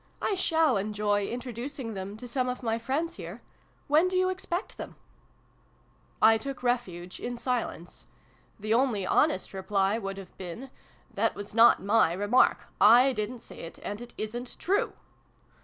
" I shall enjoy introducing them to some of my friends here ! When do you expect them ?" I took refuge in silence. The only honest reply would have been " That was not my remark. / didn't say it, and it isnt true!"